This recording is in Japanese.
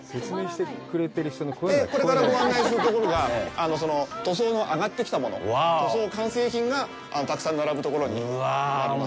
これからご案内するところが塗装のあがってきたもの、塗装完成品がたくさん並ぶところになります。